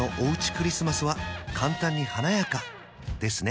クリスマスは簡単に華やかですね！